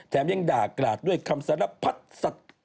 ยังด่ากราดด้วยคำสารพัดสัตว์